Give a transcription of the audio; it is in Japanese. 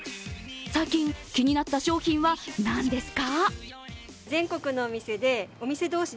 最近、気になった商品は何ですか？